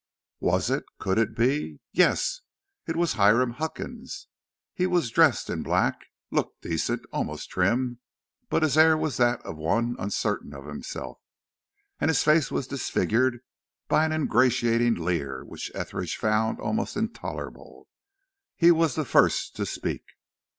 Was it could it be yes, it was Hiram Huckins. He was dressed in black, and looked decent, almost trim, but his air was that of one uncertain of himself, and his face was disfigured by an ingratiating leer which Etheridge found almost intolerable. He was the first to speak.